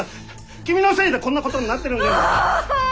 君のせいでこんなことになってるんじゃないか。